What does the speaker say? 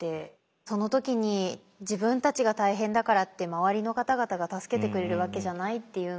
その時に自分たちが大変だからって周りの方々が助けてくれるわけじゃないっていうのが。